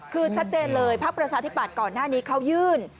คือชัดเจนเลยพักประชาธิบัตย์ก่อนหน้านี้เขายื่น